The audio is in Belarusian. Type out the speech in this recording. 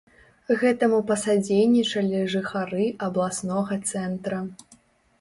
Гэтаму пасадзейнічалі жыхары абласнога цэнтра.